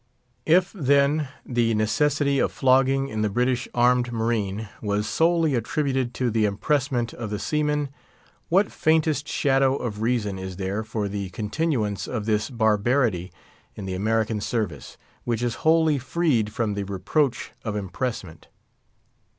If, then, the necessity of flogging in the British armed marine was solely attributed to the impressment of the seamen, what faintest shadow of reason is there for the continuance of this barbarity in the American service, which is wholly freed from the reproach of impressment?